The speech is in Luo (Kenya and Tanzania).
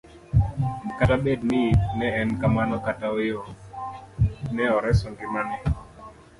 Kata bed ni ne en kamano kata ooyo, ne oreso ngimane